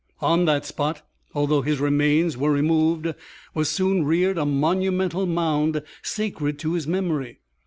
On that spot, although his remains were removed, was soon reared a monumental mound, sacred to his memory.